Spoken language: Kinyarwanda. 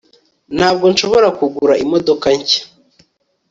ntabwo nshobora kugura imodoka nshya